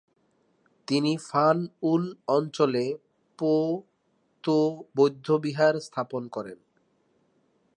তিনি 'ফান-য়ুল অঞ্চলে পো-তো বৌদ্ধবিহার স্থাপন করেন।